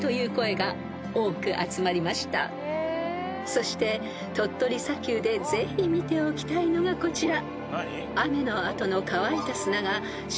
［そして鳥取砂丘でぜひ見ておきたいのがこちら］